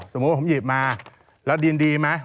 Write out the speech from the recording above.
สมมุติว่าผมหยิบมาแล้วดินดีไหม